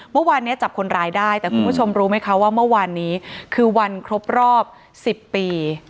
เมื่อวานนี้จับคนร้ายได้แต่คุณผู้ชมรู้ไหมคะว่าเมื่อวานนี้คือวันครบรอบ๑๐ปี